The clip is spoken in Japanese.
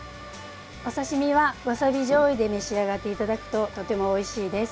お刺身はわさびじょうゆで召し上がっていただくととてもおいしいです。